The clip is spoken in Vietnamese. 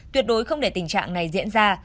tuyệt đối không để tình trạng này diễn ra